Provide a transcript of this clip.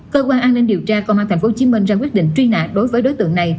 cơ quan an ninh điều tra công an tp hcm ra quyết định truy nã đối với đối tượng này